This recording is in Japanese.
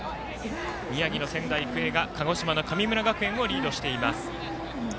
宮城の仙台育英が鹿児島の神村学園をリードしています。